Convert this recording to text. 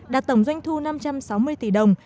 đạt tổng doanh thu năm trăm sáu mươi tỷ đồng